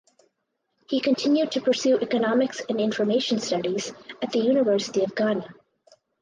He continued to pursue Economics and Information Studies at the University of Ghana.